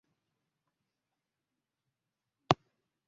Omuliro gusaanyizzaawo ekizimbe ky'amaduuka.